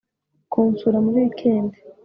kunsura muri weekend